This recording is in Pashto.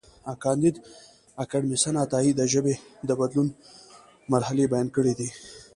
کانديد اکاډميسن عطايي د ژبې د بدلون مرحلې بیان کړې دي.